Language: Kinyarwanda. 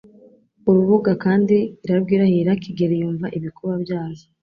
Urubuga kandi irarwirahiraKigeri yumva ibikuba byazo